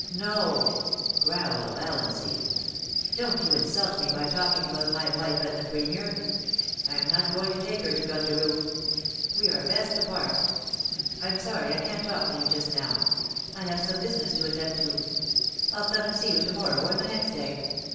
* No,' growled Valiancy. * Don't you insult me by talking about my wife and the Premier. I am not going to take her to Gundaroo. We are best apart ... I am sorry I can't talk to you just now. I have some business to attend to. I'll come and see you to morrow or the next day.